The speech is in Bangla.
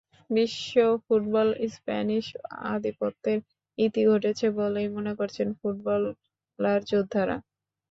বিশ্ব ফুটবলে স্প্যানিশ আধিপত্যের ইতি ঘটেছে বলেই মনে করছেন ফুটবল বোদ্ধারা।